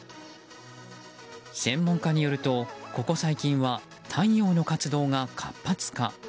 専門家によるとここ最近は太陽の活動が活発化。